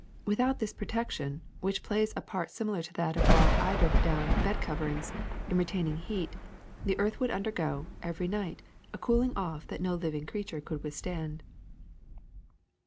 Without this protection, which plays a part similar to that of our eider down bed coverings in retaining heat, the earth would undergo, every night, a cooling off that no living creature could withstand.